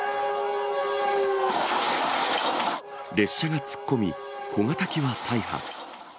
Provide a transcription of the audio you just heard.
列車が突っ込み、小型機は大破。